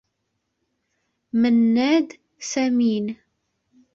منّاد سمين.